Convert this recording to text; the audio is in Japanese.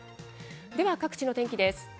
では、各地の天気です。